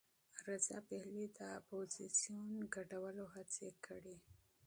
رضا پهلوي د اپوزېسیون ګډولو هڅې کړي.